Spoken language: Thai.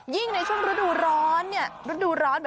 ยิ่งในช่วงวันรดูร้อน